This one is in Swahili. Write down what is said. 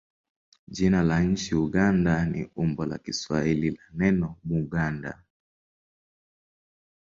Jina la nchi Uganda ni umbo la Kiswahili la neno Buganda.